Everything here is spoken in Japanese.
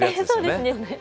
そうですね。